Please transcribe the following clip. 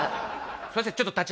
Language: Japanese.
すいません。